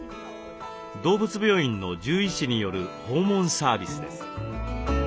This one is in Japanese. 動物病院の獣医師による訪問サービスです。